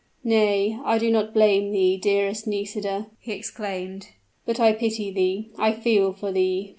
"Nay I do not blame thee, dearest Nisida!" he exclaimed; "but I pity thee I feel for thee!